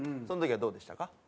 その時はどうでしたか？